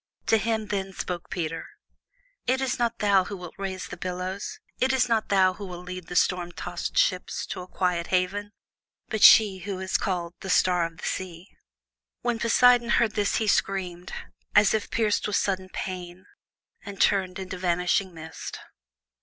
To him then spoke Peter: "It is not thou who wilt rouse the billows. It is not thou who wilt lead the storm tossed ships to a quiet haven, but she who is called the 'Star of the Sea.'" When Poseidon heard this he screamed, as if pierced with sudden pain, and turned into vanishing mist.